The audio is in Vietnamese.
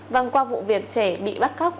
vâng qua vụ việc trẻ bị bắt cóc